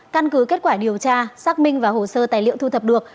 căn cứ kết quả điều tra xác minh và hồ sơ tài liệu thu thập được